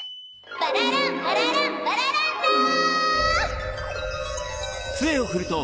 バラランバラランバラランラン！